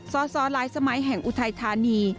สสหลายสมัยแห่งอุทัยธานี